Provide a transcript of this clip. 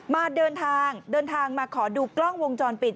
มาเดินทางมาขอดูกล้องวงจรปิด